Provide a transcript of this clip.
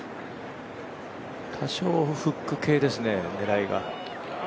多少、フック系ですね、狙いが。